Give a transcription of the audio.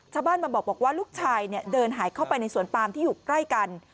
ชาวบ้านมาบอกว่าลูกชายเดินหายเข้าไปในสวนปามที่อยู่ใกล้กัน